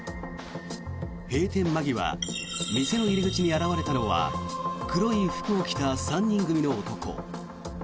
閉店間際店の入り口に現れたのは黒い服を着た３人組の男。